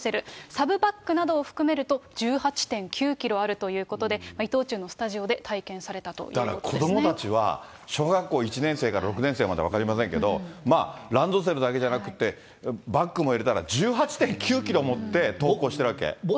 サブバッグなどを含めると、１８．９キロあるということで、伊藤忠のスタジオで体験されたというこだから子どもたちは、小学校１年生から６年生まで分かりませんけれども、ランドセルだけじゃなくて、バッグも入れたら１８．９キロ持って登校しているわけ？